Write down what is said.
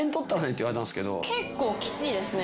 結構きついですね。